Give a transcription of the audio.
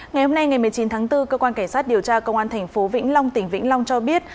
ngày hôm nay ngày một mươi chín tháng bốn cơ quan cảnh sát điều tra công an thành phố vĩnh long tỉnh vĩnh long cho biết